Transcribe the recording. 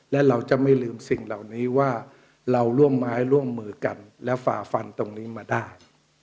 และเราจะไม่ลืมสิ่งเหล่านี้ว่าเราร่วมไม้ร่วมมือกันและฝ่าฟันตรงนี้มาได้